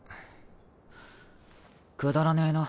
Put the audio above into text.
くだらねえな。